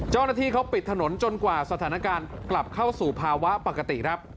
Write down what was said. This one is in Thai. เจ้าหน้าที่เขาปิดถนนจนกว่าสถานการณ์กลับเข้าสู่ภาวะปกติครับ